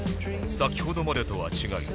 先ほどまでとは違い